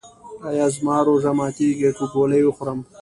ایا زما روژه ماتیږي که ګولۍ وخورم؟